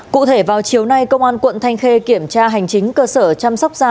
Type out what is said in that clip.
cụ thể vào chiều nay công an quận thanh khê kiểm tra hành chính cơ sở chăm sóc da